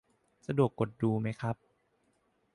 สะดวกกดดูไหมครับ